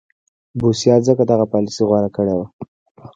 بوسیا ځکه دغه پالیسي غوره کړې وه.